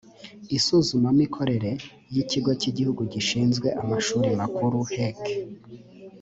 isuzumamikorere ry’ikigo cy’igihugu gishinzwe amashuri makuru hec